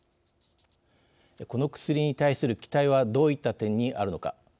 この薬に対する期待はどういった点にあるのか。